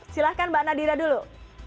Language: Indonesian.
silahkan mbak nadira dulu